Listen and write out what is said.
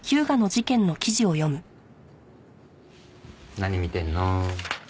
何見てんの？